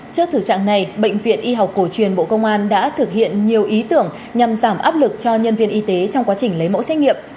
trước thử trạng này bệnh viện y học cổ truyền bộ công an đã thực hiện nhiều ý tưởng nhằm giảm áp lực cho nhân viên y tế trong quá trình lấy mẫu xét nghiệm